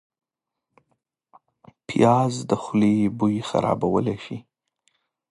پیاز د خولې بوی خرابولی شي